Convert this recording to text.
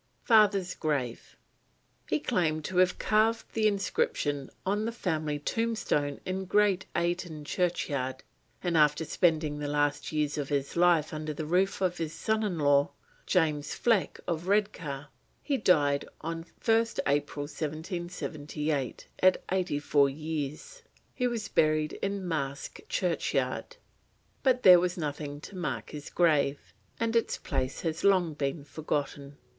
FATHER'S GRAVE. He claimed to have carved the inscription on the family tombstone in Great Ayton churchyard, and after spending the last years of his life under the roof of his son in law, James Fleck of Redcar, he died on 1st April 1778, aged eighty four years. He was buried in Marske churchyard, but there was nothing to mark his grave, and its place has long been forgotten.